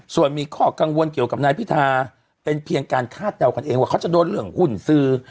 ส่วนมีข้อกังวลเกี่ยวกับนายพิธาเป็นเพียงการคาดเดากันเองว่าเขาจะโดนเรื่องหุ้นสื่อ